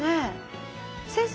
先生